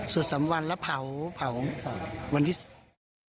สวุฒิสามวันแล้วเผ้าวันที่สาม